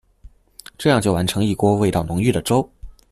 這樣就完成一鍋味道濃郁的粥